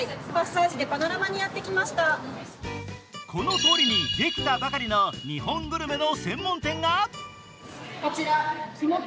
この通りにできたばかりの日本グルメの専門店が。